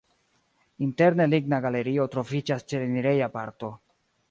Interne ligna galerio troviĝas ĉe la enireja parto.